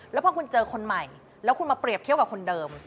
แล้วพอคุณเจอคนใหม่แล้วคุณมาเปรียบเทียบกับคนเดิม